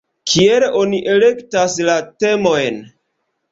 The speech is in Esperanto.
Kiel oni elektas la temojn?